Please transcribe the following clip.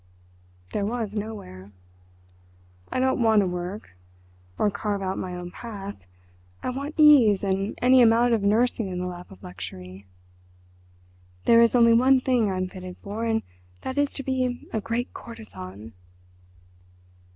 There was nowhere. "I don't want to work—or carve out my own path. I want ease and any amount of nursing in the lap of luxury. There is only one thing I'm fitted for, and that is to be a great courtesan."